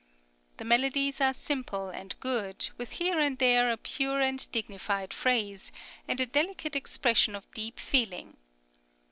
The melodies are simple and good, with here and there a pure and dignified phrase, and a delicate expression of deep feeling.